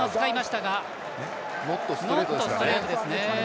ノットストレートですね。